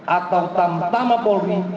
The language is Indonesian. atau tanpa mafologi